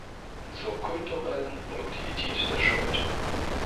Zur kulturellen Produktivität der Schuld".